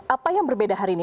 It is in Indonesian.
apa yang berbeda hari ini